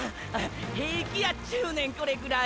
平気やっちゅうねんこれくらい。